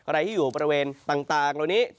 อะไรที่อยู่บริเวณต่างตรงนี้